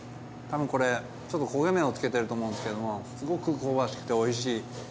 たぶんこれちょっと焦げ目をつけてると思うんですけどもすごく香ばしくておいしい